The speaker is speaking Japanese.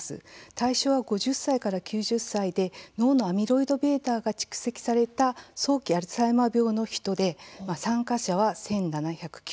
対象は、５０歳から９０歳で脳のアミロイドβが蓄積された早期アルツハイマー病の人で参加者は１７９５人。